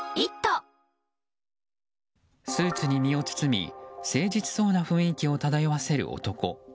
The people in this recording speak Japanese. スーツに身を包み誠実そうな雰囲気を漂わせる男。